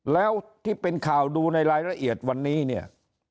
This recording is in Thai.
แล้วที่เป็นข่าวดูในรายละเอียดวันนี้เนี่ย